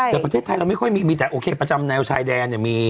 แต่ประเทศไทยเราไม่ค่อยมีแต่โอเคประจำแนวชายแดนเนี่ยมี